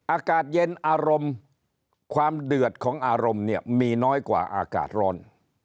อากาศเย็นอารมณ์ความเดือดของอารมณ์เนี่ยมีน้อยกว่าอากาศร้อน